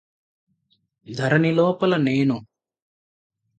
ధరణిలోపల నేను